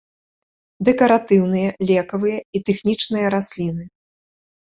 Дэкаратыўныя, лекавыя і тэхнічныя расліны.